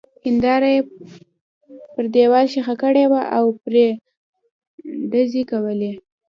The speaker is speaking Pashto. هېنداره يې پر دېوال ښخه کړې وه او پرې ډزې کولې.